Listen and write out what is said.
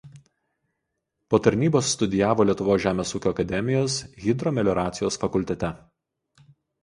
Po tarnybos studijavo Lietuvos žemės ūkio akademijos Hidromelioracijos fakultete.